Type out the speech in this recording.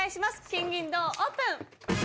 金銀銅オープン！